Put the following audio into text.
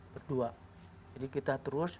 berdua jadi kita terus